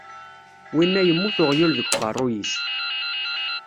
Winna yemmut uɣyul deg uqerruy-is.